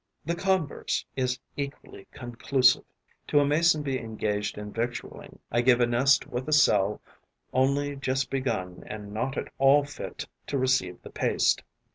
The converse is equally conclusive. To a Mason bee engaged in victualling I give a nest with a cell only just begun and not at all fit to receive the paste.